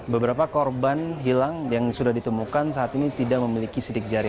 beberapa korban hilang yang sudah ditemukan saat ini tidak memiliki sidik jari